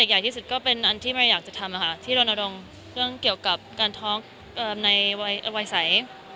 ใหญ่ที่สุดก็เป็นอันที่แม่อยากจะทำที่รณรงค์เรื่องเกี่ยวกับการท้องในวัยใส